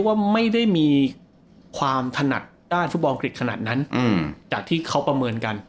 ว่าไม่ได้มีความถนัดด้านฟุตบอลอังกฤษขนาดนั้นจากที่เขาประเมินกัน